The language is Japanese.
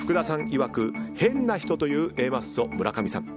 いわく変な人というＡマッソ、村上さん。